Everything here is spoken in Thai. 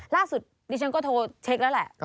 ดิฉันก็โทรเช็คแล้วแหละ